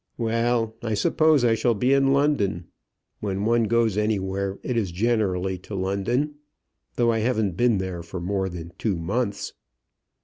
"Well, I suppose I shall be in London. When one goes anywhere, it is generally to London; though I haven't been there for more than two months."